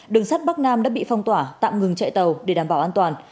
đường sắt bắc nam đã bị phong tỏa tạm ngừng chạy tàu để đảm bảo an toàn